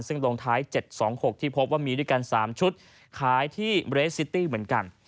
ซึ่งตรงท้ายเจ็ดสองหกที่พบว่ามีด้วยกันสามชุดขายที่เบรสซิตี้เหมือนกัน